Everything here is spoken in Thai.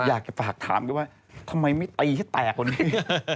อยากจะฝากถามด้วยว่าทำไมไม่ตีให้แตกกว่านี้